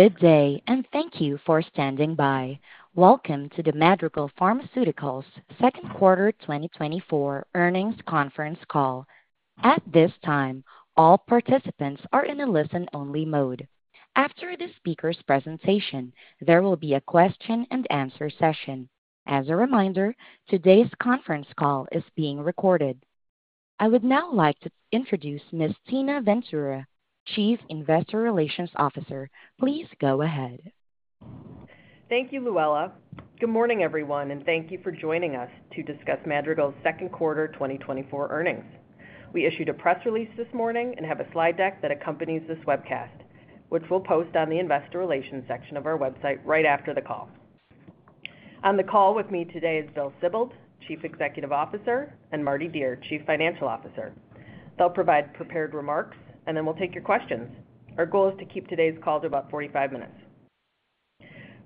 Good day, and thank you for standing by. Welcome to the Madrigal Pharmaceuticals second quarter 2024 earnings conference call. At this time, all participants are in a listen-only mode. After the speaker's presentation, there will be a question-and-answer session. As a reminder, today's conference call is being recorded. I would now like to introduce Ms. Tina Ventura, Chief Investor Relations Officer. Please go ahead. Thank you, Luella. Good morning, everyone, and thank you for joining us to discuss Madrigal's second quarter 2024 earnings. We issued a press release this morning and have a slide deck that accompanies this webcast, which we'll post on the investor relations section of our website right after the call. On the call with me today is Bill Sibold, Chief Executive Officer, and Mardi Dier, Chief Financial Officer. They'll provide prepared remarks, and then we'll take your questions. Our goal is to keep today's call to about 45 minutes.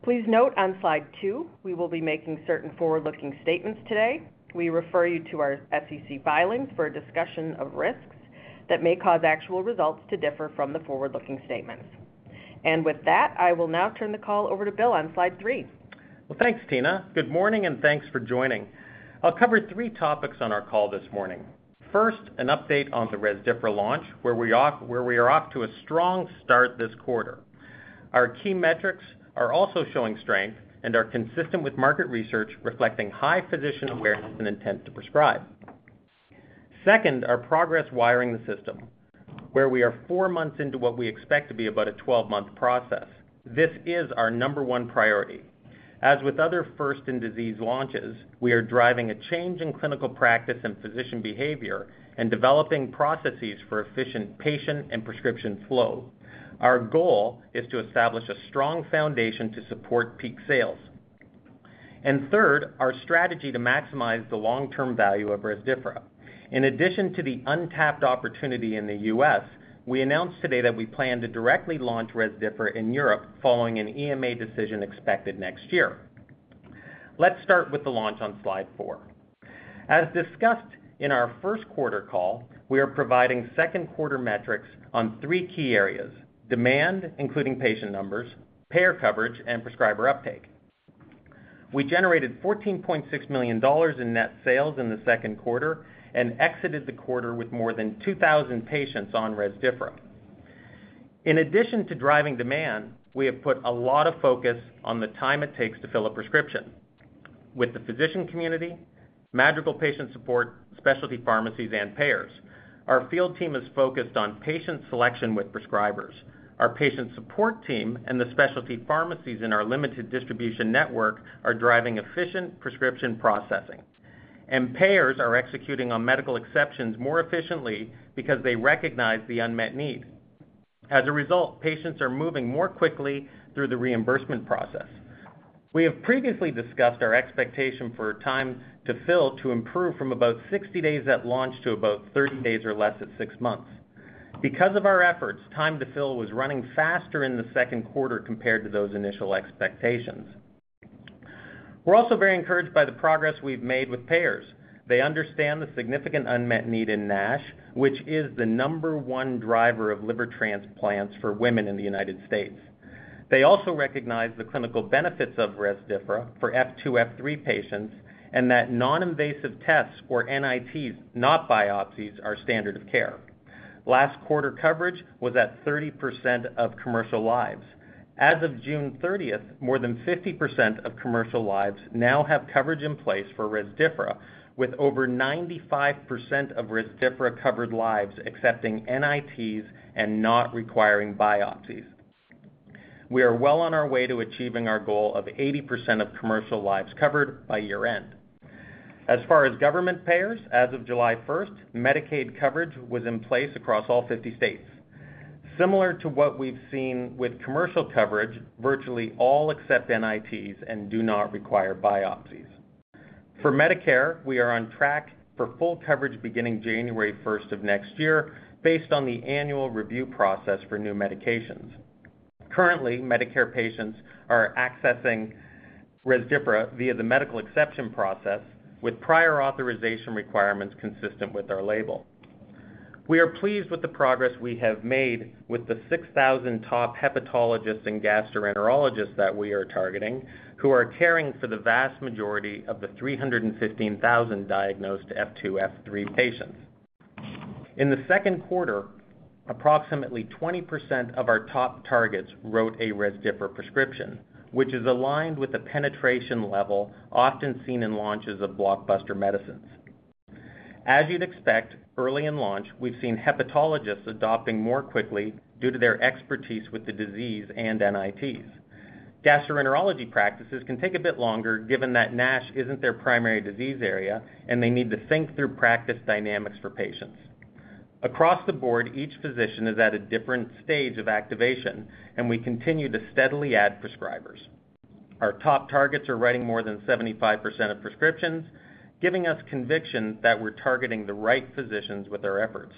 Please note on slide 2, we will be making certain forward-looking statements today. We refer you to our SEC filings for a discussion of risks that may cause actual results to differ from the forward-looking statements. With that, I will now turn the call over to Bill on slide 3. Well, thanks, Tina. Good morning, and thanks for joining. I'll cover three topics on our call this morning. First, an update on the Rezdiffra launch, where we are off to a strong start this quarter. Our key metrics are also showing strength and are consistent with market research, reflecting high physician awareness and intent to prescribe. Second, our progress wiring the system, where we are four months into what we expect to be about a 12-month process. This is our number one priority. As with other first-in-disease launches, we are driving a change in clinical practice and physician behavior and developing processes for efficient patient and prescription flow. Our goal is to establish a strong foundation to support peak sales. And third, our strategy to maximize the long-term value of Rezdiffra. In addition to the untapped opportunity in the US, we announced today that we plan to directly launch Rezdiffra in Europe, following an EMA decision expected next year. Let's start with the launch on slide 4. As discussed in our first quarter call, we are providing second quarter metrics on 3 key areas: demand, including patient numbers, payer coverage, and prescriber uptake. We generated $14.6 million in net sales in the second quarter and exited the quarter with more than 2,000 patients on Rezdiffra. In addition to driving demand, we have put a lot of focus on the time it takes to fill a prescription. With the physician community, Madrigal patient support, specialty pharmacies, and payers, our field team is focused on patient selection with prescribers. Our patient support team and the specialty pharmacies in our limited distribution network are driving efficient prescription processing, and payers are executing on medical exceptions more efficiently because they recognize the unmet need. As a result, patients are moving more quickly through the reimbursement process. We have previously discussed our expectation for time to fill, to improve from about 60 days at launch to about 30 days or less at 6 months. Because of our efforts, time to fill was running faster in the second quarter compared to those initial expectations. We're also very encouraged by the progress we've made with payers. They understand the significant unmet need in NASH, which is the number one driver of liver transplants for women in the United States. They also recognize the clinical benefits of Rezdiffra for F2, F3 patients, and that non-invasive tests, or NITs, not biopsies, are standard of care. Last quarter coverage was at 30% of commercial lives. As of June 30, more than 50% of commercial lives now have coverage in place for Rezdiffra, with over 95% of Rezdiffra-covered lives accepting NITs and not requiring biopsies. We are well on our way to achieving our goal of 80% of commercial lives covered by year-end. As far as government payers, as of July 1, Medicaid coverage was in place across all 50 states. Similar to what we've seen with commercial coverage, virtually all accept NITs and do not require biopsies. For Medicare, we are on track for full coverage beginning January 1 of next year, based on the annual review process for new medications. Currently, Medicare patients are accessing Rezdiffra via the medical exception process with prior authorization requirements consistent with our label. We are pleased with the progress we have made with the 6,000 top hepatologists and gastroenterologists that we are targeting, who are caring for the vast majority of the 315,000 diagnosed F2, F3 patients. In the second quarter, approximately 20% of our top targets wrote a Rezdiffra prescription, which is aligned with the penetration level often seen in launches of blockbuster medicines. As you'd expect, early in launch, we've seen hepatologists adopting more quickly due to their expertise with the disease and NITs. Gastroenterology practices can take a bit longer, given that NASH isn't their primary disease area, and they need to think through practice dynamics for patients. Across the board, each physician is at a different stage of activation, and we continue to steadily add prescribers. Our top targets are writing more than 75% of prescriptions, giving us conviction that we're targeting the right physicians with our efforts.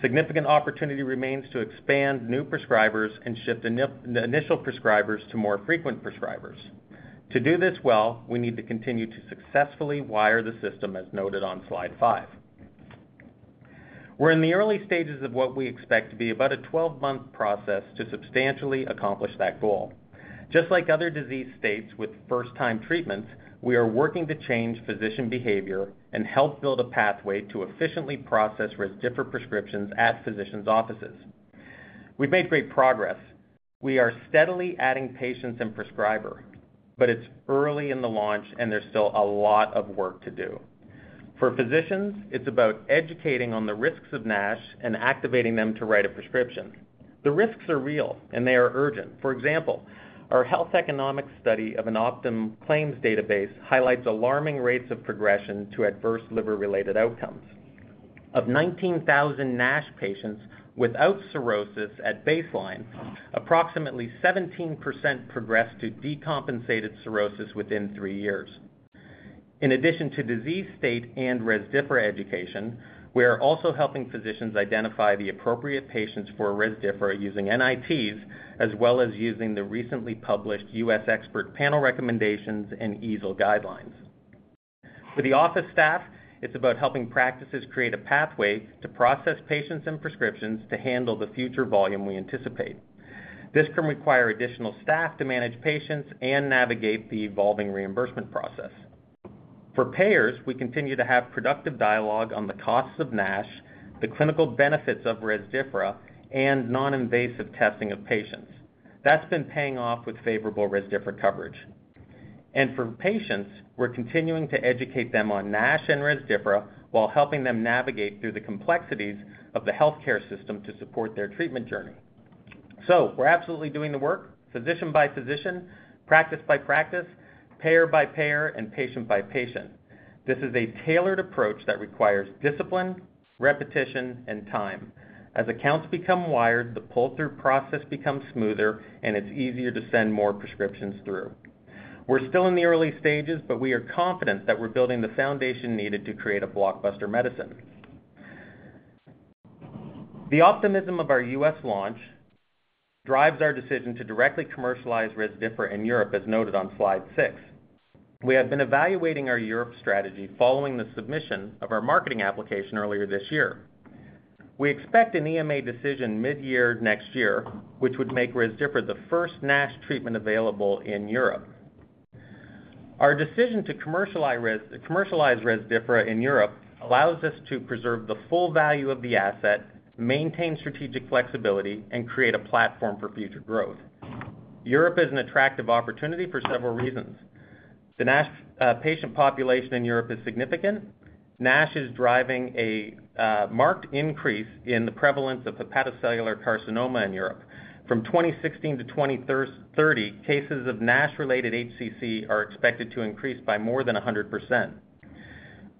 Significant opportunity remains to expand new prescribers and shift initial prescribers to more frequent prescribers. To do this well, we need to continue to successfully wire the system, as noted on slide 5.... We're in the early stages of what we expect to be about a 12-month process to substantially accomplish that goal. Just like other disease states with first-time treatments, we are working to change physician behavior and help build a pathway to efficiently process Rezdiffra prescriptions at physicians' offices. We've made great progress. We are steadily adding patients and prescribers, but it's early in the launch, and there's still a lot of work to do. For physicians, it's about educating on the risks of NASH and activating them to write a prescription. The risks are real, and they are urgent. For example, our health economic study of an Optum claims database highlights alarming rates of progression to adverse liver-related outcomes. Of 19,000 NASH patients without cirrhosis at baseline, approximately 17% progressed to decompensated cirrhosis within three years. In addition to disease state and Rezdiffra education, we are also helping physicians identify the appropriate patients for Rezdiffra using NITs, as well as using the recently published U.S. expert panel recommendations and EASL guidelines. For the office staff, it's about helping practices create a pathway to process patients and prescriptions to handle the future volume we anticipate. This can require additional staff to manage patients and navigate the evolving reimbursement process. For payers, we continue to have productive dialogue on the costs of NASH, the clinical benefits of Rezdiffra, and non-invasive testing of patients. That's been paying off with favorable Rezdiffra coverage. For patients, we're continuing to educate them on NASH and Rezdiffra while helping them navigate through the complexities of the healthcare system to support their treatment journey. We're absolutely doing the work physician by physician, practice by practice, payer by payer, and patient by patient. This is a tailored approach that requires discipline, repetition, and time. As accounts become wired, the pull-through process becomes smoother, and it's easier to send more prescriptions through. We're still in the early stages, but we are confident that we're building the foundation needed to create a blockbuster medicine. The optimism of our U.S. launch drives our decision to directly commercialize Rezdiffra in Europe, as noted on slide six. We have been evaluating our Europe strategy following the submission of our marketing application earlier this year. We expect an EMA decision mid-year next year, which would make Rezdiffra the first NASH treatment available in Europe. Our decision to commercialize Rezdiffra in Europe allows us to preserve the full value of the asset, maintain strategic flexibility, and create a platform for future growth. Europe is an attractive opportunity for several reasons. The NASH patient population in Europe is significant. NASH is driving a marked increase in the prevalence of hepatocellular carcinoma in Europe. From 2016 to 2030, cases of NASH-related HCC are expected to increase by more than 100%.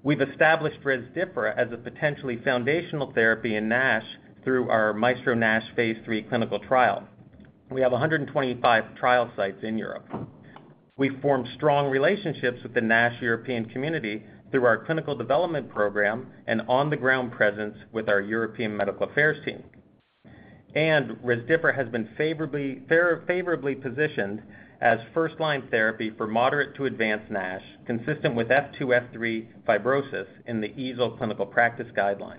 We've established Rezdiffra as a potentially foundational therapy in NASH through our MAESTRO-NASH phase 3 clinical trial. We have 125 trial sites in Europe. We've formed strong relationships with the NASH European community through our clinical development program and on-the-ground presence with our European Medical Affairs team. Rezdiffra has been favorably positioned as first-line therapy for moderate to advanced NASH, consistent with F2, F3 fibrosis in the EASL Clinical Practice Guidelines.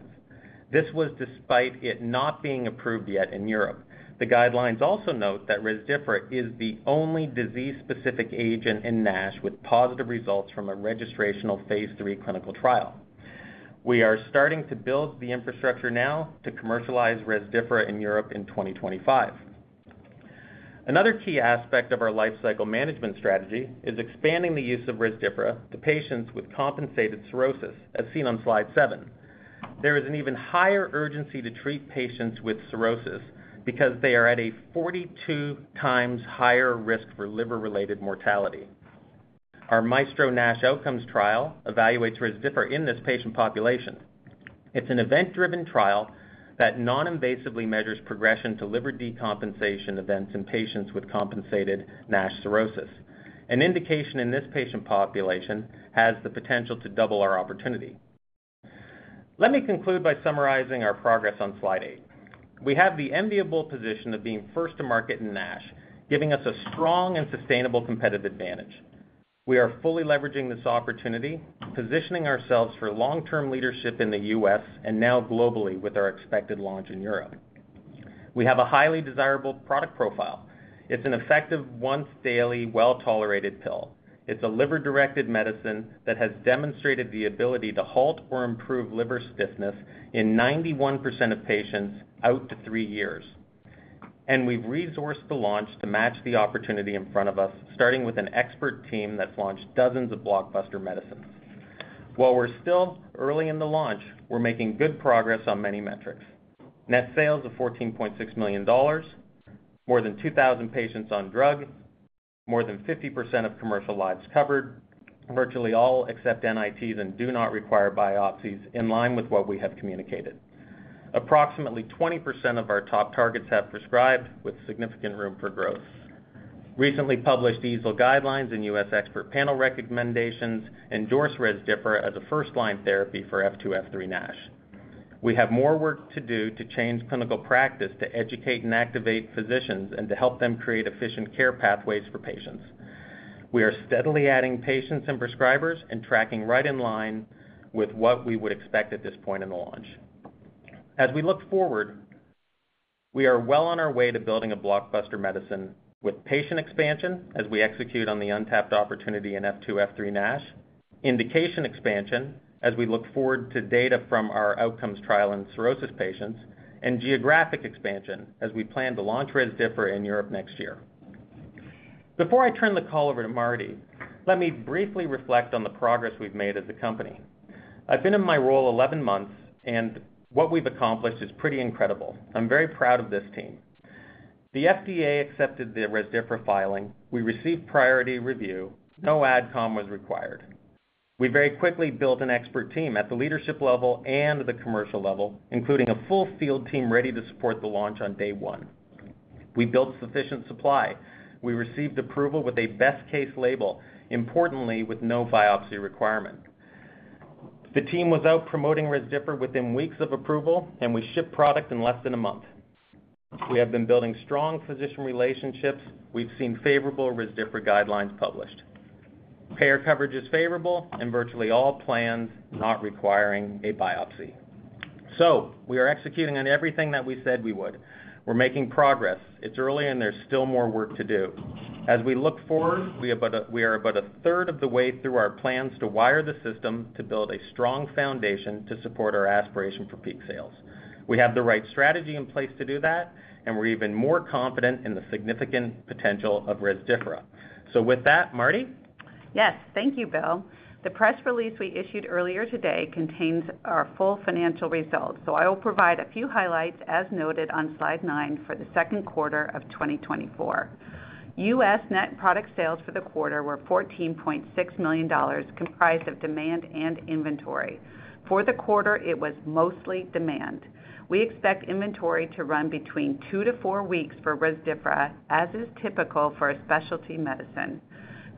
This was despite it not being approved yet in Europe. The guidelines also note that Rezdiffra is the only disease-specific agent in NASH with positive results from a registrational phase 3 clinical trial. We are starting to build the infrastructure now to commercialize Rezdiffra in Europe in 2025. Another key aspect of our lifecycle management strategy is expanding the use of Rezdiffra to patients with compensated cirrhosis, as seen on Slide 7. There is an even higher urgency to treat patients with cirrhosis because they are at a 42 times higher risk for liver-related mortality. Our MAESTRO-NASH Outcomes trial evaluates Rezdiffra in this patient population. It's an event-driven trial that non-invasively measures progression to liver decompensation events in patients with compensated NASH cirrhosis. An indication in this patient population has the potential to double our opportunity. Let me conclude by summarizing our progress on Slide 8. We have the enviable position of being first to market in NASH, giving us a strong and sustainable competitive advantage. We are fully leveraging this opportunity, positioning ourselves for long-term leadership in the U.S. and now globally with our expected launch in Europe. We have a highly desirable product profile. It's an effective, once-daily, well-tolerated pill. It's a liver-directed medicine that has demonstrated the ability to halt or improve liver stiffness in 91% of patients out to three years. We've resourced the launch to match the opportunity in front of us, starting with an expert team that's launched dozens of blockbuster medicines. While we're still early in the launch, we're making good progress on many metrics. Net sales of $14.6 million, more than 2,000 patients on drug, more than 50% of commercial lives covered, virtually all except NITs and do not require biopsies in line with what we have communicated. Approximately 20% of our top targets have prescribed, with significant room for growth. Recently published EASL guidelines and U.S. expert panel recommendations endorse Rezdiffra as a first-line therapy for F2, F3 NASH. We have more work to do to change clinical practice, to educate and activate physicians, and to help them create efficient care pathways for patients. We are steadily adding patients and prescribers and tracking right in line with what we would expect at this point in the launch. As we look forward, we are well on our way to building a blockbuster medicine with patient expansion as we execute on the untapped opportunity in F2, F3 NASH, indication expansion, as we look forward to data from our outcomes trial in cirrhosis patients, and geographic expansion as we plan to launch Rezdiffra in Europe next year. Before I turn the call over to Mardi, let me briefly reflect on the progress we've made as a company. I've been in my role 11 months, and what we've accomplished is pretty incredible. I'm very proud of this team. The FDA accepted the Rezdiffra filing. We received priority review. No AdCom was required. We very quickly built an expert team at the leadership level and the commercial level, including a full field team ready to support the launch on day one. We built sufficient supply. We received approval with a best case label, importantly, with no biopsy requirement. The team was out promoting Rezdiffra within weeks of approval, and we shipped product in less than a month. We have been building strong physician relationships. We've seen favorable Rezdiffra guidelines published. Payer coverage is favorable and virtually all plans not requiring a biopsy. So we are executing on everything that we said we would. We're making progress. It's early, and there's still more work to do. As we look forward, we are about a third of the way through our plans to wire the system to build a strong foundation to support our aspiration for peak sales. We have the right strategy in place to do that, and we're even more confident in the significant potential of Rezdiffra. So with that, Mardi? Yes, thank you, Bill. The press release we issued earlier today contains our full financial results, so I will provide a few highlights, as noted on slide 9 for the second quarter of 2024. U.S. net product sales for the quarter were $14.6 million, comprised of demand and inventory. For the quarter, it was mostly demand. We expect inventory to run between 2-4 weeks for Rezdiffra, as is typical for a specialty medicine.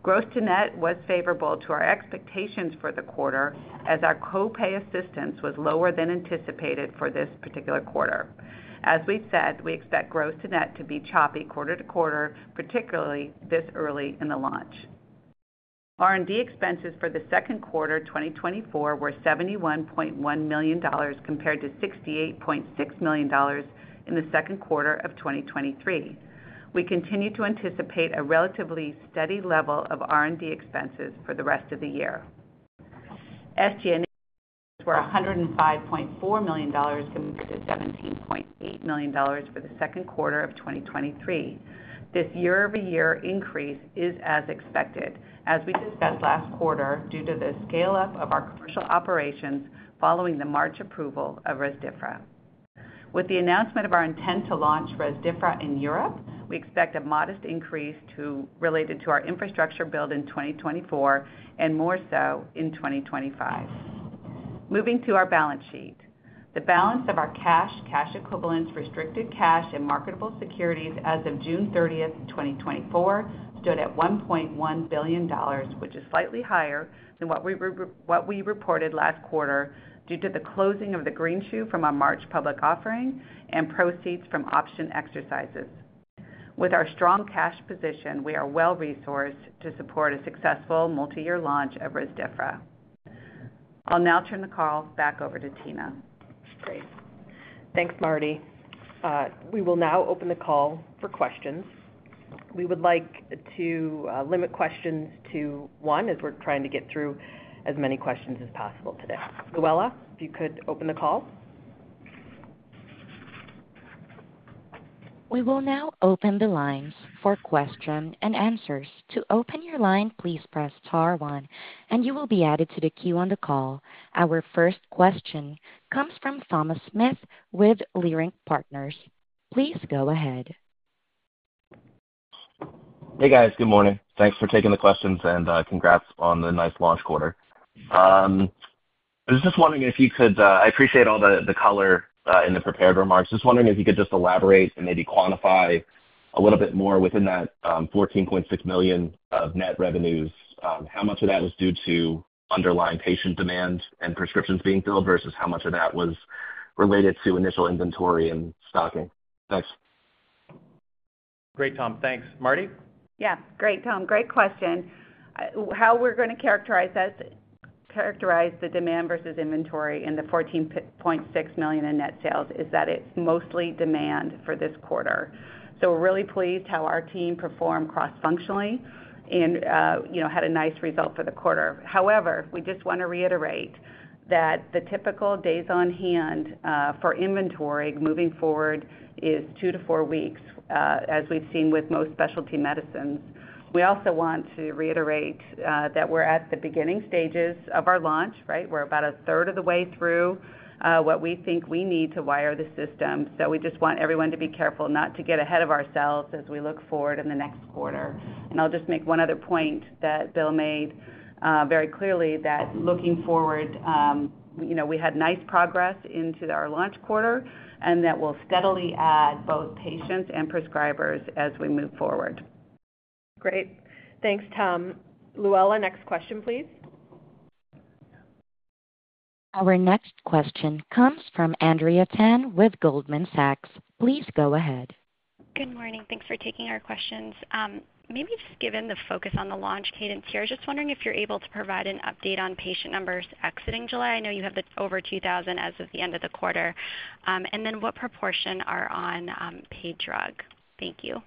Gross to net was favorable to our expectations for the quarter, as our co-pay assistance was lower than anticipated for this particular quarter. As we said, we expect gross to net to be choppy quarter-to-quarter, particularly this early in the launch. R&D expenses for the second quarter 2024 were $71.1 million, compared to $68.6 million in the second quarter of 2023. We continue to anticipate a relatively steady level of R&D expenses for the rest of the year. SG&A were $105.4 million, compared to $17.8 million for the second quarter of 2023. This year-over-year increase is as expected, as we discussed last quarter, due to the scale-up of our commercial operations following the March approval of Rezdiffra. With the announcement of our intent to launch Rezdiffra in Europe, we expect a modest increase to related to our infrastructure build in 2024 and more so in 2025. Moving to our balance sheet. The balance of our cash, cash equivalents, restricted cash, and marketable securities as of June thirtieth, twenty twenty-four, stood at $1.1 billion, which is slightly higher than what we reported last quarter, due to the closing of the greenshoe from our March public offering and proceeds from option exercises. With our strong cash position, we are well-resourced to support a successful multi-year launch of Rezdiffra. I'll now turn the call back over to Tina. Great. Thanks, Mardi. We will now open the call for questions. We would like to limit questions to one, as we're trying to get through as many questions as possible today. Luella, if you could open the call. We will now open the lines for question and answers. To open your line, please press star one, and you will be added to the queue on the call. Our first question comes from Thomas Smith with Leerink Partners. Please go ahead. Hey, guys. Good morning. Thanks for taking the questions, and congrats on the nice launch quarter. I was just wondering if you could... I appreciate all the color in the prepared remarks. Just wondering if you could just elaborate and maybe quantify a little bit more within that $14.6 million of net revenues. How much of that was due to underlying patient demand and prescriptions being filled, versus how much of that was related to initial inventory and stocking? Thanks. Great, Tom. Thanks. Mardi? Yeah, great, Tom. Great question. How we're gonna characterize this, characterize the demand versus inventory in the $14.6 million in net sales, is that it's mostly demand for this quarter. So we're really pleased how our team performed cross-functionally and, you know, had a nice result for the quarter. However, we just want to reiterate that the typical days on hand for inventory moving forward is two to four weeks, as we've seen with most specialty medicines. We also want to reiterate that we're at the beginning stages of our launch, right? We're about a third of the way through what we think we need to wire the system. So we just want everyone to be careful not to get ahead of ourselves as we look forward in the next quarter. I'll just make one other point that Bill made very clearly, that looking forward, you know, we had nice progress into our launch quarter and that we'll steadily add both patients and prescribers as we move forward. Great. Thanks, Tom. Luella, next question, please. Our next question comes from Andrea Tan with Goldman Sachs. Please go ahead. Good morning. Thanks for taking our questions. Maybe just given the focus on the launch cadence here, just wondering if you're able to provide an update on patient numbers exiting July. I know you have the over 2,000 as of the end of the quarter. And then what proportion are on paid drug? Thank you.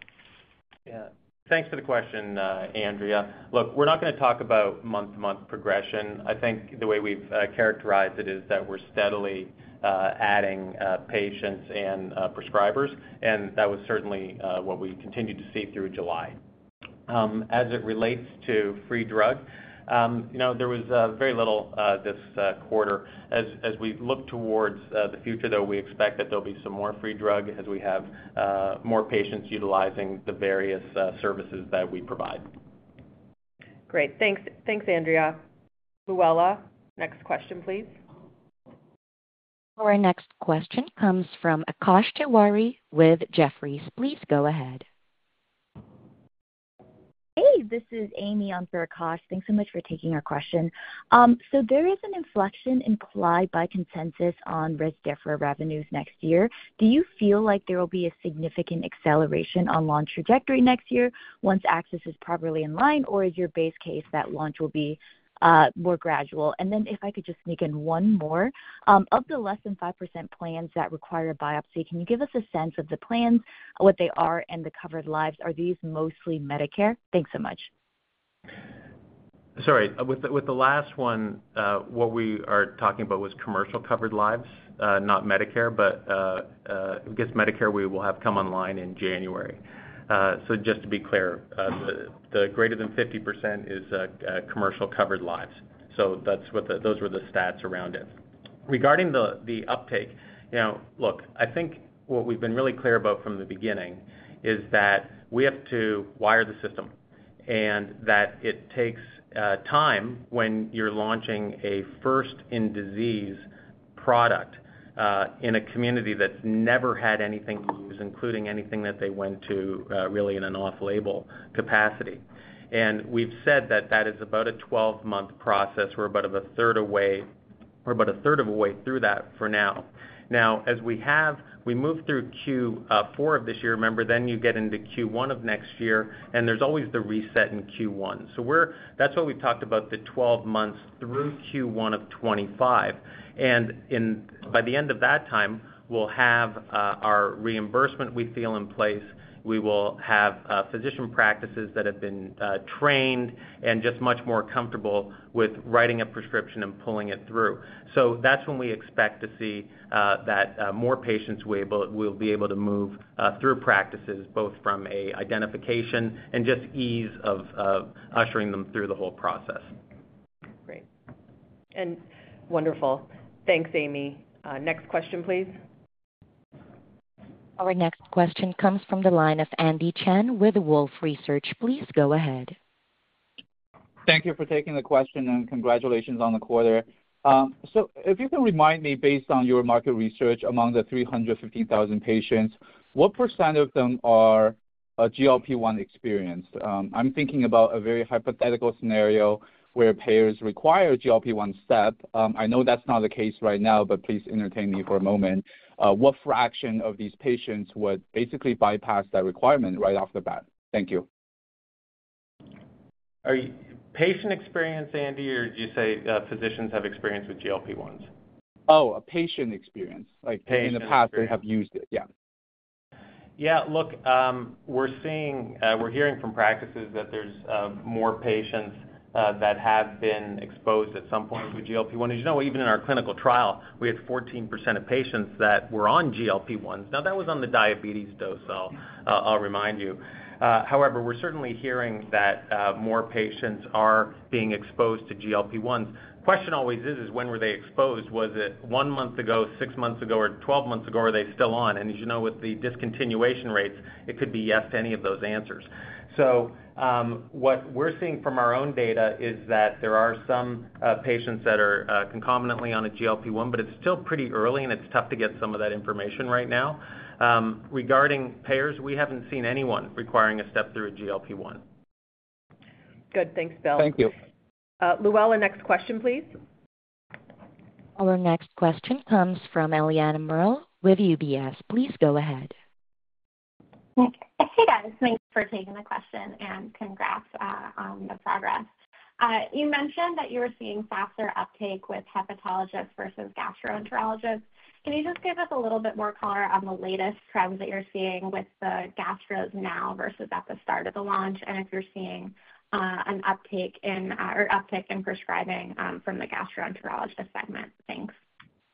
Yeah, thanks for the question, Andrea. Look, we're not gonna talk about month-to-month progression. I think the way we've characterized it is that we're steadily adding patients and prescribers, and that was certainly what we continued to see through July. As it relates to free drug, you know, there was very little this quarter. As we look towards the future, though, we expect that there'll be some more free drug as we have more patients utilizing the various services that we provide. Great. Thanks. Thanks, Andrea. Luella, next question, please. Our next question comes from Akash Tewari with Jefferies. Please go ahead. Hey, this is Amy on for Akash. Thanks so much for taking our question. So there is an inflection implied by consensus on Rezdiffra revenues next year. Do you feel like there will be a significant acceleration on launch trajectory next year once access is properly in line, or is your base case that launch will be more gradual? And then if I could just sneak in one more. Of the less than 5% plans that require a biopsy, can you give us a sense of the plans, what they are, and the covered lives? Are these mostly Medicare? Thanks so much. Sorry. With the last one, what we are talking about was commercial-covered lives, not Medicare, but, I guess Medicare we will have come online in January. So just to be clear, the greater than 50% is, commercial covered lives, so that's what the... Those were the stats around it. Regarding the uptake, you know, look, I think what we've been really clear about from the beginning is that we have to wire the system, and that it takes, time when you're launching a first-in-disease product, in a community that's never had anything to use, including anything that they went to, really in an off-label capacity. And we've said that that is about a 12-month process. We're about a third of the way through that for now. Now, as we have, we moved through Q4 of this year, remember, then you get into Q1 of next year, and there's always the reset in Q1. So we're. That's why we've talked about the 12 months through Q1 of 2025, and in... By the end of that time, we'll have our reimbursement, we feel, in place. We will have physician practices that have been trained and just much more comfortable with writing a prescription and pulling it through. So that's when we expect to see that more patients we will be able to move through practices, both from a identification and just ease of ushering them through the whole process. Great. And wonderful. Thanks, Amy. Next question, please. Our next question comes from the line of Andy Chen with Wolfe Research. Please go ahead. Thank you for taking the question, and congratulations on the quarter. So if you can remind me, based on your market research among the 350,000 patients, what % of them are GLP-1 experienced? I'm thinking about a very hypothetical scenario where payers require GLP-1 step. I know that's not the case right now, but please entertain me for a moment. What fraction of these patients would basically bypass that requirement right off the bat? Thank you. Are patients experienced, Andy, or did you say physicians have experience with GLP-1s? Oh, a patient experience. Patient experience. Like in the past, they have used it. Yeah. Yeah, look, we're hearing from practices that there's more patients that have been exposed at some point to GLP-1. As you know, even in our clinical trial, we had 14% of patients that were on GLP-1. Now, that was on the diabetes dose, though, I'll remind you. However, we're certainly hearing that more patients are being exposed to GLP-1. Question always is, is when were they exposed? Was it 1 month ago, 6 months ago, or 12 months ago? Are they still on? And as you know, with the discontinuation rates, it could be yes to any of those answers. So, what we're seeing from our own data is that there are some patients that are concomitantly on a GLP-1, but it's still pretty early, and it's tough to get some of that information right now. Regarding payers, we haven't seen anyone requiring a step through a GLP-1. Good. Thanks, Bill. Thank you. Luella, next question, please. Our next question comes from Eliana Merle with UBS. Please go ahead. Hey, guys. Thanks for taking the question, and congrats on the progress. You mentioned that you were seeing faster uptake with hepatologists versus gastroenterologists. Can you just give us a little bit more color on the latest trends that you're seeing with the gastros now versus at the start of the launch, and if you're seeing an uptake in or uptick in prescribing from the gastroenterologist segment? Thanks.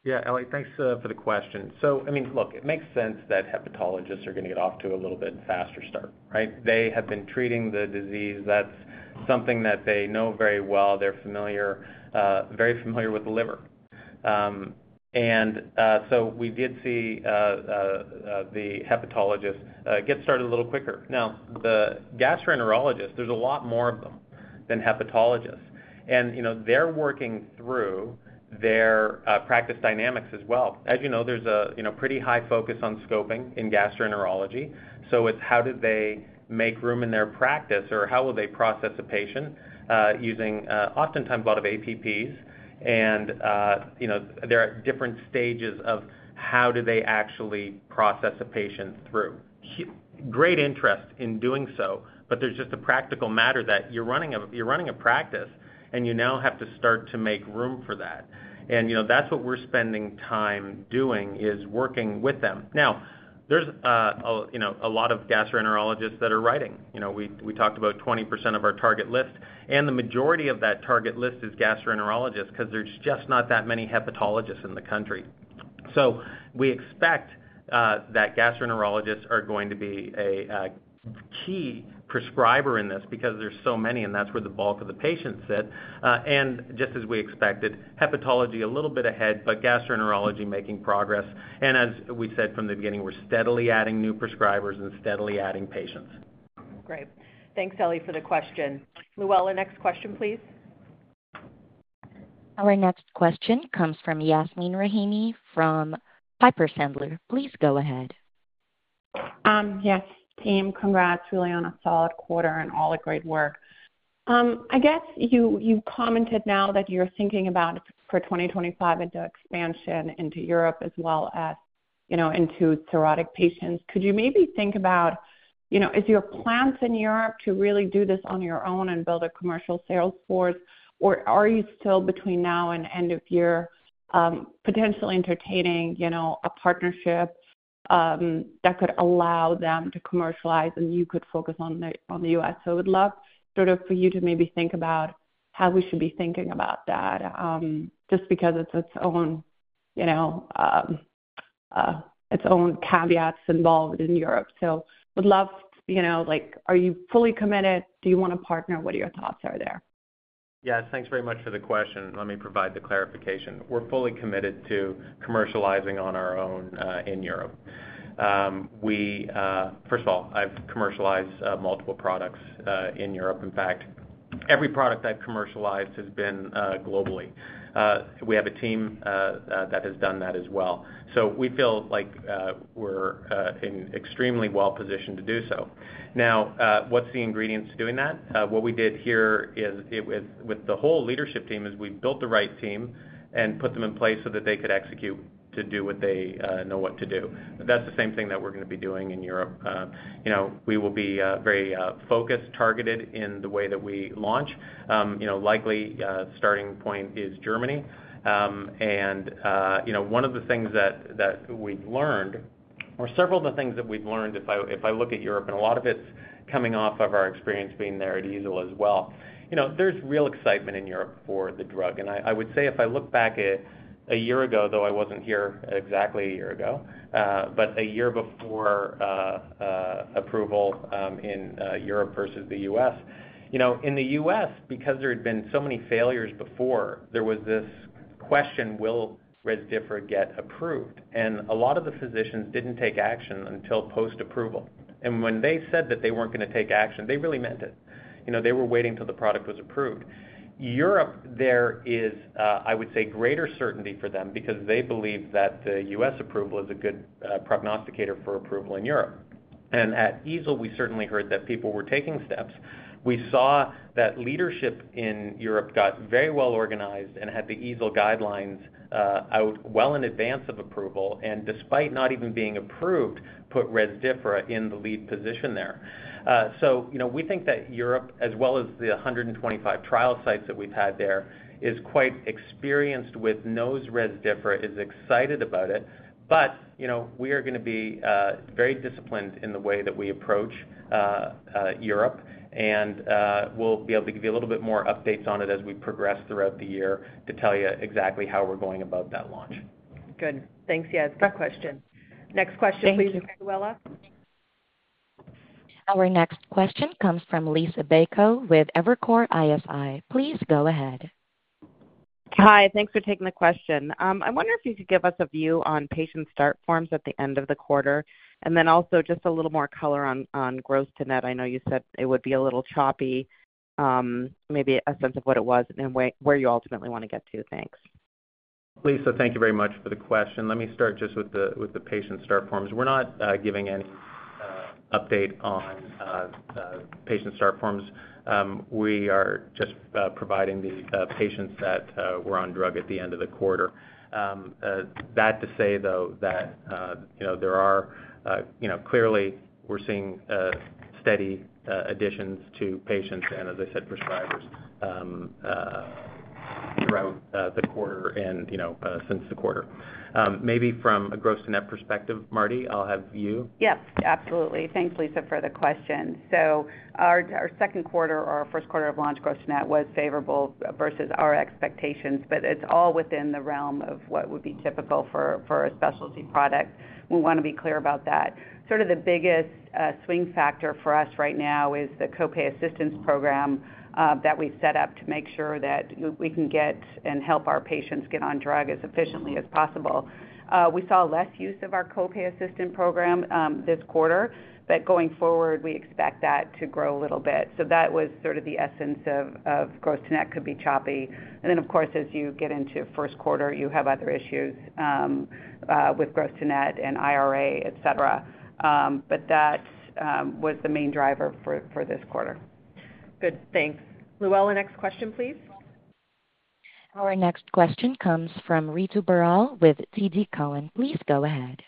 Yeah, Ellie, thanks for the question. So I mean, look, it makes sense that hepatologists are gonna get off to a little bit faster start, right? They have been treating the disease. That's something that they know very well. They're familiar, very familiar with the liver. And so we did see the hepatologist get started a little quicker. Now, the gastroenterologist, there's a lot more of them than hepatologists. And, you know, they're working through their practice dynamics as well. As you know, there's a you know, pretty high focus on scoping in gastroenterology, so it's how do they make room in their practice, or how will they process a patient using oftentimes a lot of APPs, and you know, there are different stages of how do they actually process a patient through. Great interest in doing so, but there's just a practical matter that you're running a practice, and you now have to start to make room for that. And, you know, that's what we're spending time doing, is working with them. Now, there's, you know, a lot of gastroenterologists that are writing. You know, we talked about 20% of our target list, and the majority of that target list is gastroenterologists because there's just not that many hepatologists in the country. So we expect that gastroenterologists are going to be a key prescriber in this because there's so many, and that's where the bulk of the patients sit. And just as we expected, hepatology a little bit ahead, but gastroenterology making progress. And as we said from the beginning, we're steadily adding new prescribers and steadily adding patients. Great. Thanks, Ellie, for the question. Luella, next question, please. Our next question comes from Yasmeen Rahimi from Piper Sandler. Please go ahead. Yes, team, congrats, really, on a solid quarter and all the great work. I guess you, you commented now that you're thinking about for 2025 into expansion into Europe as well as, you know, into cirrhotic patients. Could you maybe think about, you know, is your plans in Europe to really do this on your own and build a commercial sales force, or are you still between now and end of year, potentially entertaining, you know, a partnership that could allow them to commercialize and you could focus on the, on the US? So I would love sort of for you to maybe think about how we should be thinking about that, just because it's its own, you know, its own caveats involved in Europe. So would love, you know, like, are you fully committed? Do you want to partner? What are your thoughts? Are there? Yes, thanks very much for the question. Let me provide the clarification. We're fully committed to commercializing on our own in Europe. We first of all, I've commercialized multiple products in Europe. In fact, every product I've commercialized has been globally. We have a team that has done that as well. So we feel like we're extremely well positioned to do so. Now, what's the ingredients to doing that? What we did here is, with the whole leadership team, is we built the right team and put them in place so that they could execute to do what they know what to do. That's the same thing that we're gonna be doing in Europe. You know, we will be very focused, targeted in the way that we launch. You know, likely starting point is Germany. And you know, one of the things that we've learned, or several of the things that we've learned, if I look at Europe, and a lot of it's coming off of our experience being there at EASL as well. You know, there's real excitement in Europe for the drug, and I would say if I look back at a year ago, though I wasn't here exactly a year ago, but a year before approval in Europe versus the US. You know, in the US, because there had been so many failures before, there was this question: Will Rezdiffra get approved? And a lot of the physicians didn't take action until post-approval. And when they said that they weren't gonna take action, they really meant it. You know, they were waiting till the product was approved. Europe, there is, I would say, greater certainty for them because they believe that the U.S. approval is a good prognosticator for approval in Europe. And at EASL, we certainly heard that people were taking steps. We saw that leadership in Europe got very well organized and had the EASL guidelines out well in advance of approval, and despite not even being approved, put Rezdiffra in the lead position there. So, you know, we think that Europe, as well as the 125 trial sites that we've had there, is quite experienced with, knows Rezdiffra, is excited about it, but, you know, we are gonna be very disciplined in the way that we approach Europe, and we'll be able to give you a little bit more updates on it as we progress throughout the year to tell you exactly how we're going about that launch. Good. Thanks, Yas, good question. Next question, please, Luella. Our next question comes from Liisa Bayko with Evercore ISI. Please go ahead. Hi, thanks for taking the question. I wonder if you could give us a view on patient start forms at the end of the quarter, and then also just a little more color on gross-to-net. I know you said it would be a little choppy, maybe a sense of what it was and where you ultimately want to get to. Thanks. Liisa, thank you very much for the question. Let me start just with the, with the patient start forms. We're not giving any update on patient start forms. We are just providing the patients that were on drug at the end of the quarter. That to say, though, that you know, there are... You know, clearly, we're seeing steady additions to patients and, as I said, prescribers throughout the quarter and, you know, since the quarter. Maybe from a gross-to-net perspective, Mardi, I'll have you? Yes, absolutely. Thanks, Liisa, for the question. So our second quarter or our first quarter of launch gross-to-net was favorable versus our expectations, but it's all within the realm of what would be typical for a specialty product. We want to be clear about that. Sort of the biggest swing factor for us right now is the co-pay assistance program that we've set up to make sure that we can get and help our patients get on drug as efficiently as possible. We saw less use of our co-pay assistance program this quarter, but going forward, we expect that to grow a little bit. So that was sort of the essence of gross-to-net could be choppy. And then, of course, as you get into first quarter, you have other issues, with gross-to-net and IRA, et cetera. But that was the main driver for this quarter. ... Good, thanks. Luella, next question, please. Our next question comes from Ritu Baral with TD Cowen. Please go ahead.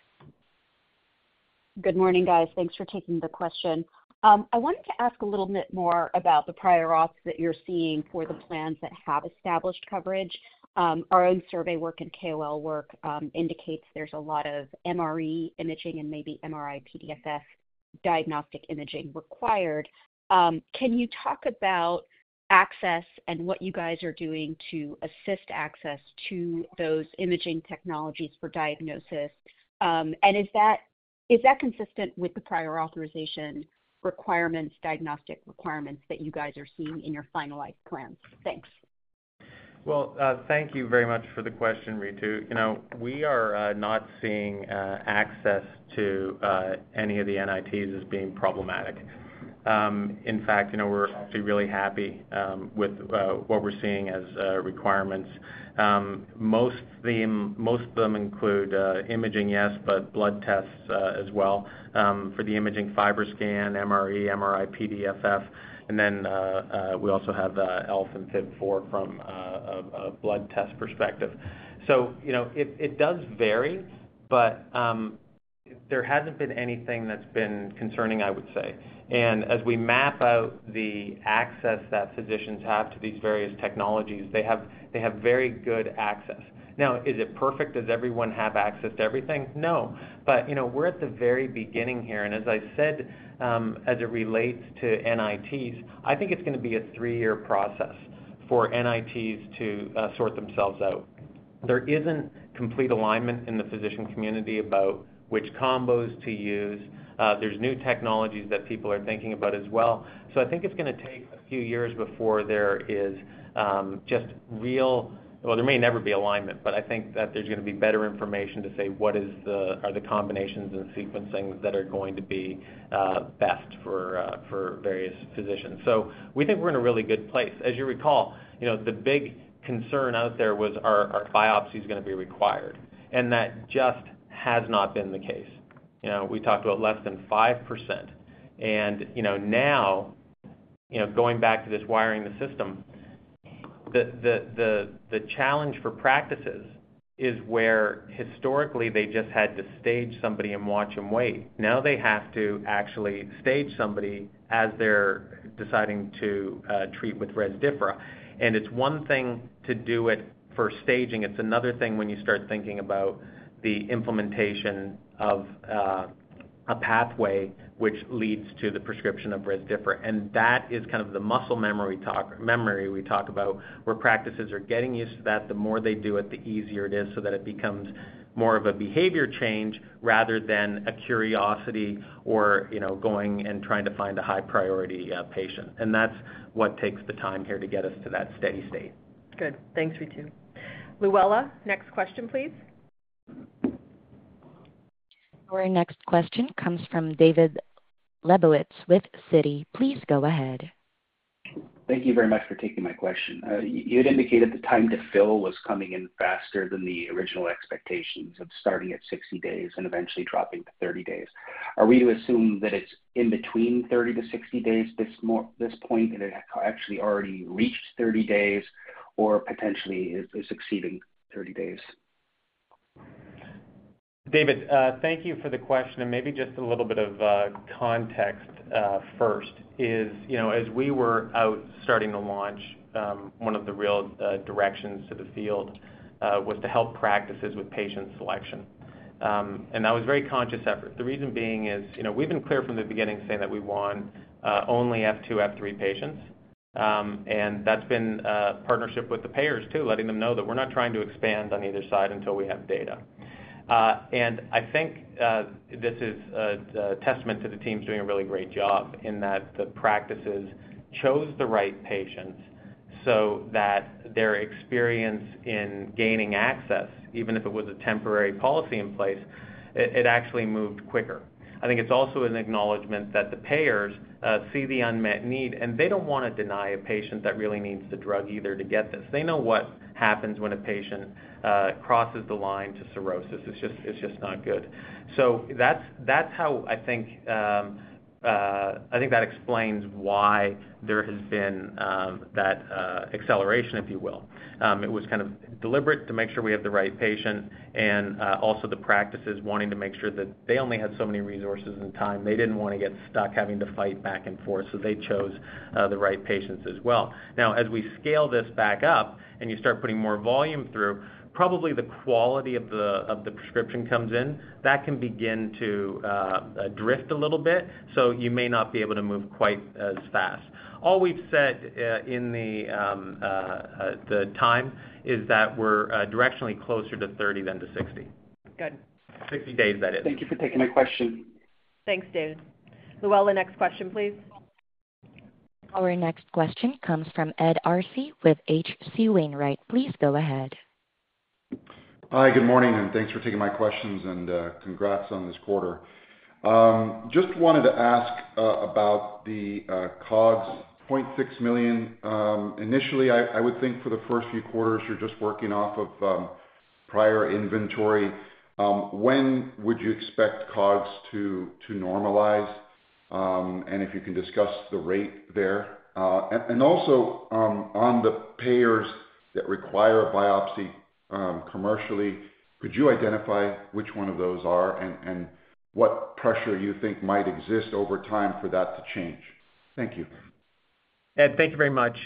Good morning, guys. Thanks for taking the question. I wanted to ask a little bit more about the prior auth that you're seeing for the plans that have established coverage. Our own survey work and KOL work indicates there's a lot of MRE imaging and maybe MRI-PDFF diagnostic imaging required. Can you talk about access and what you guys are doing to assist access to those imaging technologies for diagnosis? And is that, is that consistent with the prior authorization requirements, diagnostic requirements that you guys are seeing in your finalized plans? Thanks. Well, thank you very much for the question, Ritu. You know, we are not seeing access to any of the NITs as being problematic. In fact, you know, we're actually really happy with what we're seeing as requirements. Most of them include imaging, yes, but blood tests as well. For the imaging FibroScan, MRE, MRI-PDFF, and then we also have ELF and FIB-4 from a blood test perspective. So, you know, it does vary, but there hasn't been anything that's been concerning, I would say. And as we map out the access that physicians have to these various technologies, they have very good access. Now, is it perfect? Does everyone have access to everything? No, but, you know, we're at the very beginning here, and as I said, as it relates to NITs, I think it's gonna be a three-year process for NITs to sort themselves out. There isn't complete alignment in the physician community about which combos to use. There's new technologies that people are thinking about as well. So I think it's gonna take a few years before there is just real... Well, there may never be alignment, but I think that there's gonna be better information to say, what is the—are the combinations and sequencing that are going to be best for various physicians. So we think we're in a really good place. As you recall, you know, the big concern out there was, are biopsies gonna be required? And that just has not been the case. You know, we talked about less than 5%. And, you know, now, you know, going back to this wiring the system, the challenge for practices is where historically, they just had to stage somebody and watch and wait. Now, they have to actually stage somebody as they're deciding to treat with Rezdiffra, and it's one thing to do it for staging. It's another thing when you start thinking about the implementation of a pathway which leads to the prescription of Rezdiffra, and that is kind of the muscle memory we talk about, where practices are getting used to that. The more they do it, the easier it is, so that it becomes more of a behavior change rather than a curiosity or, you know, going and trying to find a high-priority patient. That's what takes the time here to get us to that steady state. Good. Thanks, Ritu. Luella, next question, please. Our next question comes from David Lebowitz with Citi. Please go ahead. Thank you very much for taking my question. You had indicated the time to fill was coming in faster than the original expectations of starting at 60 days and eventually dropping to 30 days. Are we to assume that it's in between 30-60 days at this point, and it has actually already reached 30 days or potentially is exceeding 30 days? David, thank you for the question, and maybe just a little bit of context first is, you know, as we were out starting the launch, one of the real directions to the field was to help practices with patient selection. And that was a very conscious effort. The reason being is, you know, we've been clear from the beginning saying that we want only F2, F3 patients, and that's been partnership with the payers, too, letting them know that we're not trying to expand on either side until we have data. And I think this is a testament to the teams doing a really great job in that the practices chose the right patients so that their experience in gaining access, even if it was a temporary policy in place, it actually moved quicker. I think it's also an acknowledgment that the payers see the unmet need, and they don't wanna deny a patient that really needs the drug either, to get this. They know what happens when a patient crosses the line to cirrhosis. It's just, it's just not good. So that's, that's how I think I think that explains why there has been that acceleration, if you will. It was kind of deliberate to make sure we have the right patient and also the practices wanting to make sure that they only had so many resources and time. They didn't wanna get stuck having to fight back and forth, so they chose the right patients as well. Now, as we scale this back up and you start putting more volume through, probably the quality of the prescription comes in, that can begin to drift a little bit, so you may not be able to move quite as fast. All we've said, in the time, is that we're directionally closer to 30 than to 60. Good. 60 days, that is. Thank you for taking my question. Thanks, David. Luella, next question, please. Our next question comes from Ed Arce with H.C. Wainwright. Please go ahead. Hi, good morning, and thanks for taking my questions, and, congrats on this quarter. Just wanted to ask about the COGS, $0.6 million. Initially, I would think for the first few quarters, you're just working off of prior inventory, when would you expect COGS to normalize? And if you can discuss the rate there. And also, on the payers that require a biopsy, commercially, could you identify which one of those are and what pressure you think might exist over time for that to change? Thank you. Ed, thank you very much.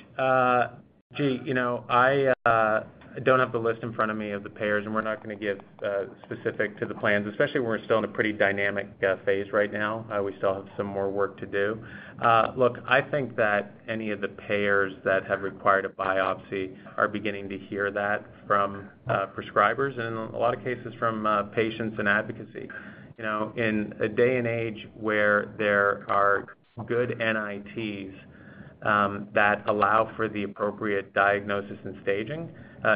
Gee, you know, I don't have the list in front of me of the payers, and we're not gonna give specific to the plans, especially when we're still in a pretty dynamic phase right now. We still have some more work to do. Look, I think that any of the payers that have required a biopsy are beginning to hear that from prescribers and a lot of cases from patients and advocacy. You know, in a day and age where there are good NITs that allow for the appropriate diagnosis and staging,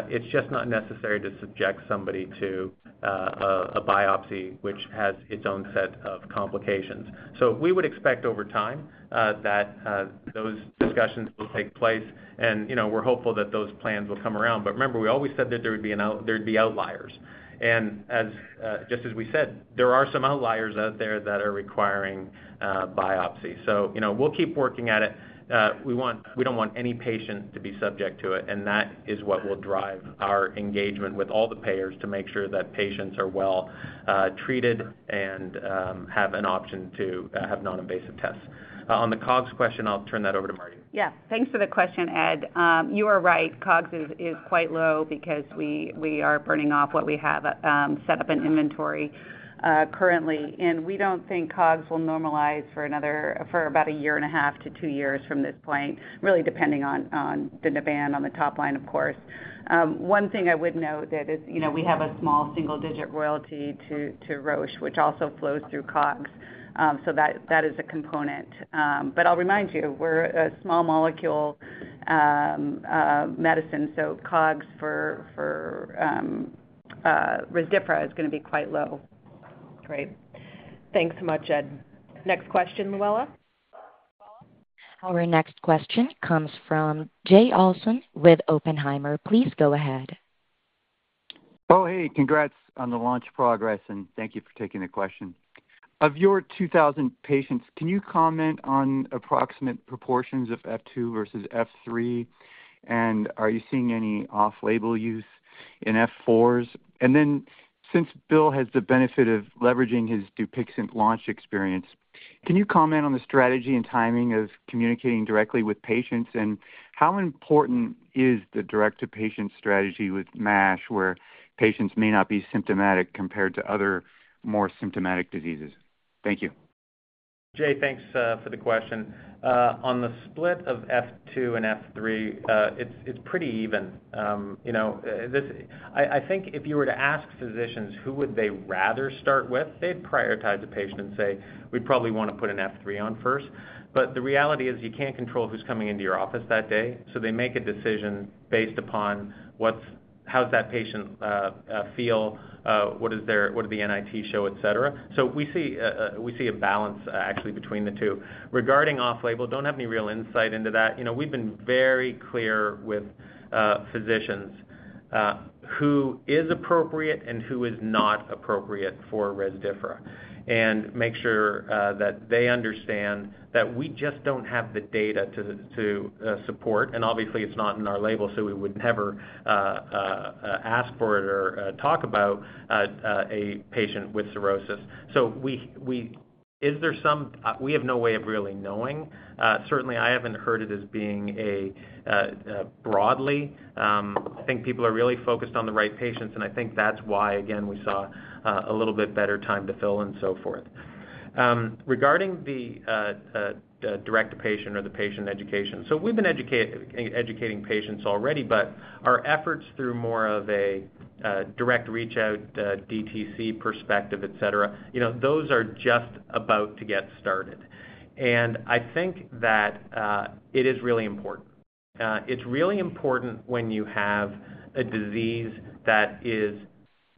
it's just not necessary to subject somebody to a biopsy, which has its own set of complications. So we would expect over time that those discussions will take place, and, you know, we're hopeful that those plans will come around. But remember, we always said that there would be an outlier. There'd be outliers. And as just as we said, there are some outliers out there that are requiring biopsy. So, you know, we'll keep working at it. We want. We don't want any patient to be subject to it, and that is what will drive our engagement with all the payers to make sure that patients are well treated and have an option to have non-invasive tests. On the COGS question, I'll turn that over to Mardi. Yes. Thanks for the question, Ed. You are right, COGS is quite low because we are burning off what we have set up in inventory currently, and we don't think COGS will normalize for about 1.5-2 years from this point, really depending on the demand on the top line, of course. One thing I would note that is, you know, we have a small single-digit royalty to Roche, which also flows through COGS, so that is a component. But I'll remind you, we're a small molecule medicine, so COGS for Rezdiffra is gonna be quite low. Great. Thanks so much, Ed. Next question, Luella? Our next question comes from Jay Olsen with Oppenheimer. Please go ahead. Oh, hey, congrats on the launch progress, and thank you for taking the question. Of your 2,000 patients, can you comment on approximate proportions of F2 versus F3? And are you seeing any off-label use in F4s? And then since Bill has the benefit of leveraging his Dupixent launch experience, can you comment on the strategy and timing of communicating directly with patients? And how important is the direct-to-patient strategy with MASH, where patients may not be symptomatic compared to other more symptomatic diseases? Thank you. Jay, thanks for the question. On the split of F2 and F3, it's pretty even. You know, this... I think if you were to ask physicians, who would they rather start with, they'd prioritize the patient and say, "We'd probably wanna put an F3 on first." But the reality is, you can't control who's coming into your office that day, so they make a decision based upon what's- how's that patient feel, what is their- what do the NIT show, et cetera. So we see a balance, actually between the two. Regarding off-label, don't have any real insight into that. You know, we've been very clear with physicians who is appropriate and who is not appropriate for Rezdiffra, and make sure that they understand that we just don't have the data to support. And obviously, it's not in our label, so we would never ask for it or talk about a patient with cirrhosis. So we have no way of really knowing. Certainly, I haven't heard it as being a broadly. I think people are really focused on the right patients, and I think that's why, again, we saw a little bit better time to fill and so forth. Regarding the direct to patient or the patient education, so we've been educating patients already, but our efforts through more of a direct reach out, DTC perspective, et cetera, you know, those are just about to get started. And I think that it is really important. It's really important when you have a disease that is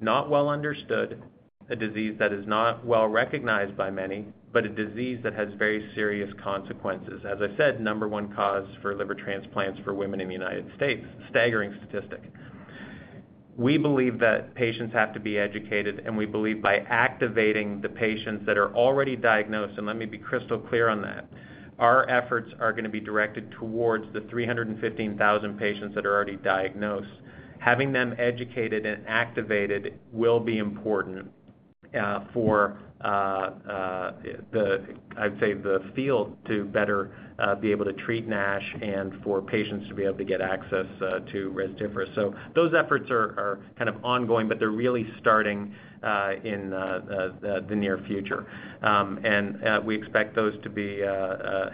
not well understood, a disease that is not well recognized by many, but a disease that has very serious consequences. As I said, number one cause for liver transplants for women in the United States, staggering statistic. We believe that patients have to be educated, and we believe by activating the patients that are already diagnosed, and let me be crystal clear on that, our efforts are gonna be directed towards the 315,000 patients that are already diagnosed. Having them educated and activated will be important for the field, I'd say, to better be able to treat NASH and for patients to be able to get access to Rezdiffra. So those efforts are kind of ongoing, but they're really starting in the near future. And we expect those to be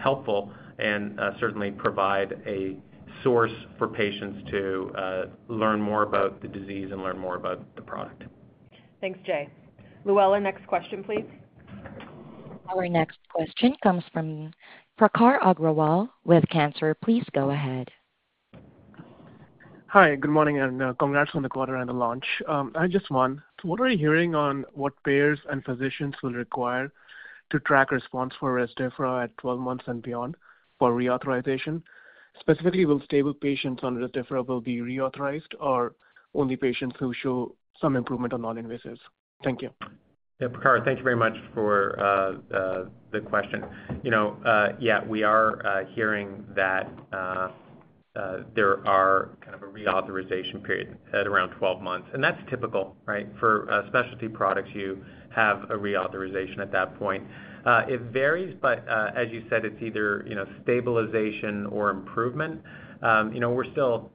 helpful and certainly provide a source for patients to learn more about the disease and learn more about the product. Thanks, Jay. Luella, next question, please. Our next question comes from Prakhar Agrawal with Cantor. Please go ahead. Hi, good morning, and congrats on the quarter and the launch. I have just one. So what are you hearing on what payers and physicians will require to track response for Rezdiffra at 12 months and beyond for reauthorization? Specifically, will stable patients on Rezdiffra will be reauthorized, or only patients who show some improvement on non-invasives? Thank you.... Yeah, Prakhar, thank you very much for the question. You know, yeah, we are hearing that there are kind of a reauthorization period at around 12 months, and that's typical, right? For specialty products, you have a reauthorization at that point. It varies, but as you said, it's either, you know, stabilization or improvement. You know, we're still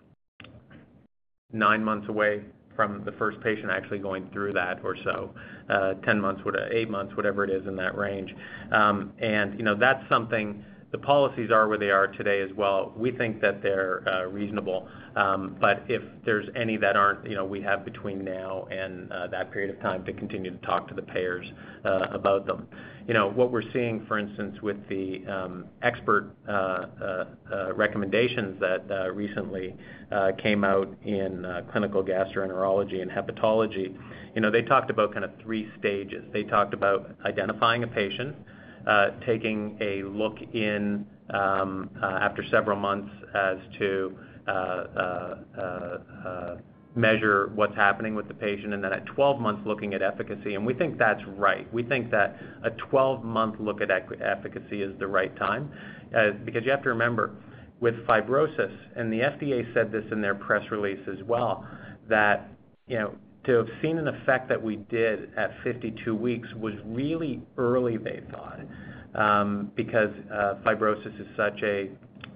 9 months away from the first patient actually going through that or so, 10 months, what, 8 months, whatever it is, in that range. And you know, that's something. The policies are where they are today as well. We think that they're reasonable, but if there's any that aren't, you know, we have between now and that period of time to continue to talk to the payers about them. You know, what we're seeing, for instance, with the expert recommendations that recently came out in Clinical Gastroenterology and Hepatology, you know, they talked about kind of 3 stages. They talked about identifying a patient, taking a look in measure what's happening with the patient, and then at 12 months, looking at efficacy, and we think that's right. We think that a 12-month look at efficacy is the right time, because you have to remember, with fibrosis, and the FDA said this in their press release as well, that, you know, to have seen an effect that we did at 52 weeks was really early, they thought, because fibrosis is such a,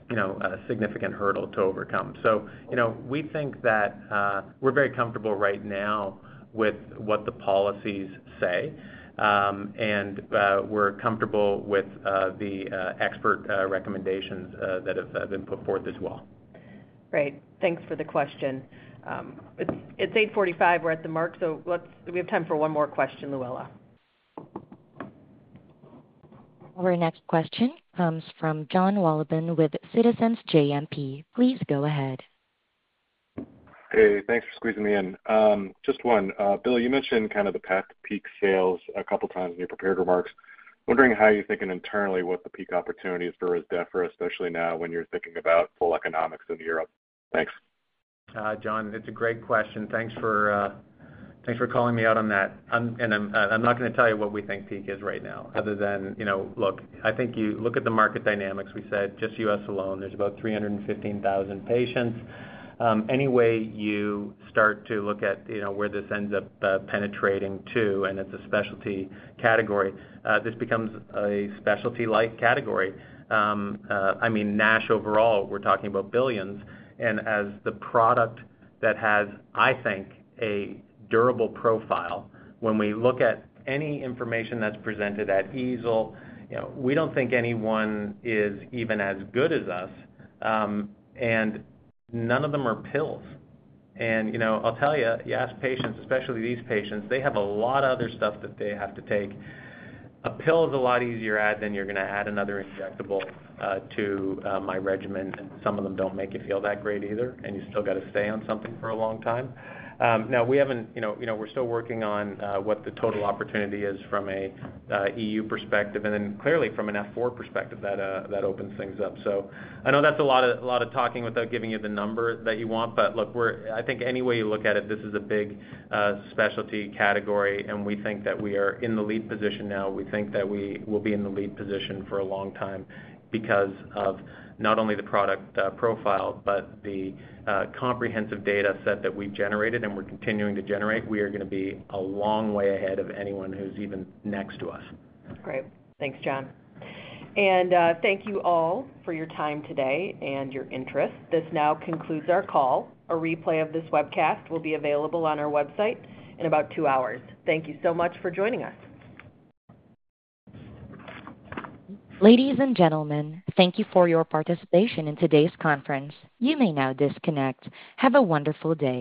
you know, a significant hurdle to overcome. So, you know, we think that we're very comfortable right now with what the policies say, and we're comfortable with the expert recommendations that have been put forth as well. Great. Thanks for the question. It's 8:45. We're at the mark, so let's, we have time for one more question, Luella. Our next question comes from Jonathan Wolleben with Citizens JMP. Please go ahead. Hey, thanks for squeezing me in. Just one. Bill, you mentioned kind of the path to peak sales a couple times in your prepared remarks. Wondering how you're thinking internally what the peak opportunity is for Rezdiffra, especially now when you're thinking about full economics in Europe. Thanks. John, it's a great question. Thanks for, thanks for calling me out on that. And I'm not gonna tell you what we think peak is right now, other than, you know, look, I think you look at the market dynamics. We said just US alone, there's about 315,000 patients. Any way you start to look at, you know, where this ends up penetrating to, and it's a specialty category, this becomes a specialty-like category. I mean, NASH, overall, we're talking about $ billions, and as the product that has, I think, a durable profile, when we look at any information that's presented at EASL, you know, we don't think anyone is even as good as us. And none of them are pills. And, you know, I'll tell you, you ask patients, especially these patients, they have a lot of other stuff that they have to take. A pill is a lot easier to add than you're gonna add another injectable to my regimen. Some of them don't make you feel that great either, and you still got to stay on something for a long time. Now we haven't, you know, you know, we're still working on what the total opportunity is from a EU perspective, and then clearly from an F4 perspective, that that opens things up. So I know that's a lot of, a lot of talking without giving you the number that you want. But look, we're. I think any way you look at it, this is a big specialty category, and we think that we are in the lead position now. We think that we will be in the lead position for a long time because of not only the product, profile, but the comprehensive data set that we've generated and we're continuing to generate. We are gonna be a long way ahead of anyone who's even next to us. Great. Thanks, John. And, thank you all for your time today and your interest. This now concludes our call. A replay of this webcast will be available on our website in about two hours. Thank you so much for joining us. Ladies and gentlemen, thank you for your participation in today's conference. You may now disconnect. Have a wonderful day.